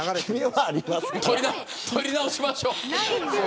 撮り直しましょう。